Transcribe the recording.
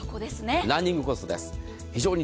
ランニングコストです。